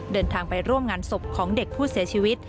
เดินทางไปร่วมงานศพของเด็กผู้เสียชีวิต